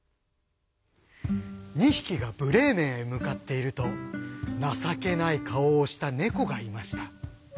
２ひきがブレーメンへむかっているとなさけないかおをしたネコがいました。